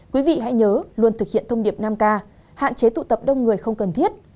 quý vị hãy nhớ luôn thực hiện thông điệp năm k hạn chế tụ tập đông người không cần thiết